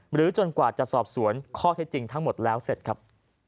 หรือจนกว่าจะสอบสวนข้อเท็จจริงทั้งหมดแล้วเสร็จครับ